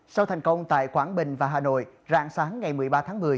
sau thành công tại quảng bình và hà nội rạng sáng ngày một mươi ba tháng một mươi